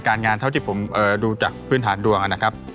งานเท่าที่ผมดูจากพื้นฐานดวงนะครับ